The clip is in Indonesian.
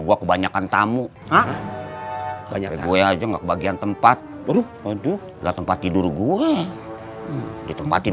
tuh kebanyakan tamu banyak banyak gue aja nggak bagian tempat aduh aduh tempat tidur gue ditempatin